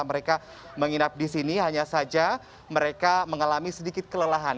mereka menginap di sini hanya saja mereka mengalami sedikit kelelahan